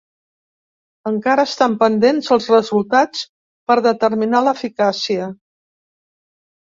Encara estan pendents els resultats per determinar l'eficàcia.